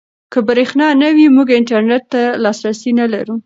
که برېښنا نه وي موږ انټرنيټ ته لاسرسی نلرو.